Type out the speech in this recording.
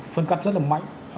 phân cắt rất là mạnh